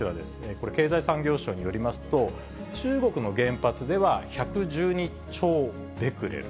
これ、経済産業省によりますと、中国の原発では１１２兆ベクレル。